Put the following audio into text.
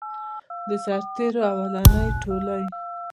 د سرتیرو اولنی ټولۍ.